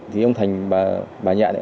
thì ông thành bà nhẹ